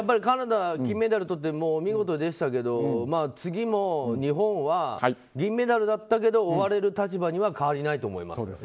カナダ、金メダルとって見事でしたけど次も日本は銀メダルだったけど追われる立場には変わりないと思います。